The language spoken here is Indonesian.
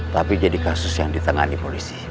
tapi jadi kasus yang ditangani polisi